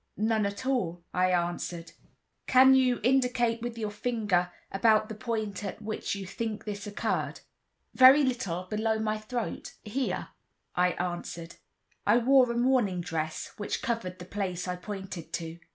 "None at all," I answered. "Can you indicate with your finger about the point at which you think this occurred?" "Very little below my throat—here," I answered. I wore a morning dress, which covered the place I pointed to.